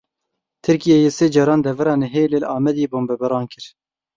Tirkiyeyê sê caran devera Nihêlê li Amêdiyê bombebaran kir.